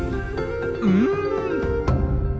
うん！